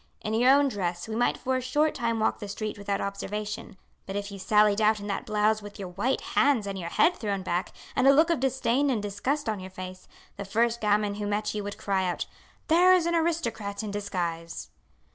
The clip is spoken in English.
In your own dress we might for a short time walk the street without observation; but if you sallied out in that blouse with your white hands and your head thrown back, and a look of disdain and disgust on your face, the first gamin who met you would cry out, 'There is an aristocrat in disguise!'